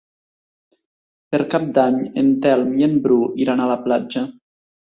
Per Cap d'Any en Telm i en Bru iran a la platja.